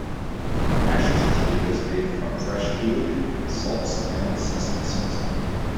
Mashed Tea is made from fresh tea leaf, salts, and sesame seeds.